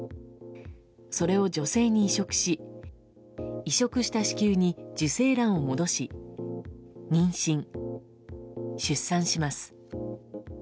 それを女性に移植し移植した子宮に受精卵を戻し妊娠・出産します。